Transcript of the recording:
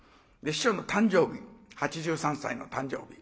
師匠の誕生日８３歳の誕生日。